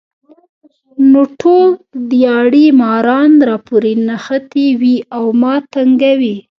نو ټول دیاړي ماران راپورې نښتي وي ـ او ما تنګوي